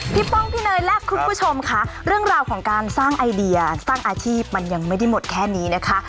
ป้องพี่เนยและคุณผู้ชมค่ะเรื่องราวของการสร้างไอเดียสร้างอาชีพมันยังไม่ได้หมดแค่นี้นะคะ